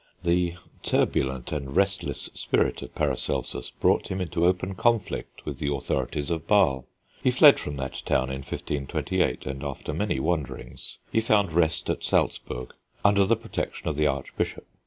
The turbulent and restless spirit of Paracelsus brought him into open conflict with the authorities of Basle. He fled from that town in 1528, and after many wanderings, he found rest at Salzburg, under the protection of the archbishop.